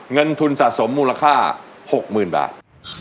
เงินทุนสะสมมูลค่า๖๐๐๐บาท